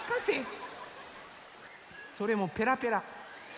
それもペラペラ。